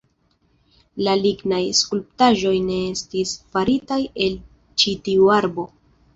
La lignaj skulptaĵoj ne estis faritaj el ĉi tiu arbo.